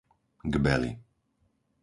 Gbely